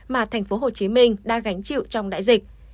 mà thành phố hồ chí minh đang gánh chịu trong đại dịch